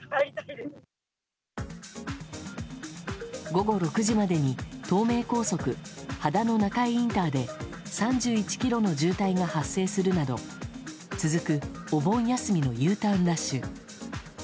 午後６時までに東名高速秦野中井インターで３１ｋｍの渋滞が発生するなど続くお盆休みのＵターンラッシュ。